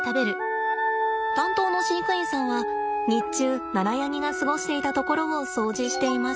担当の飼育員さんは日中ナラヤニが過ごしていたところを掃除しています。